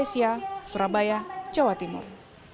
surabaya jawa timur